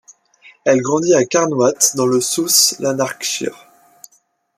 Elle grandit à Carnwath, dans le South Lanarkshire.